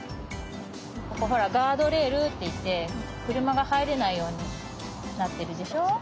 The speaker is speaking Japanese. ここほらガードレールっていってくるまがはいれないようになってるでしょ。